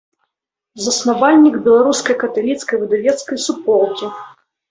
Заснавальнік беларускай каталіцкай выдавецкай суполкі.